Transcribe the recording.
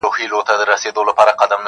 • تور یې خپور کړ په ګوښه کي غلی غلی -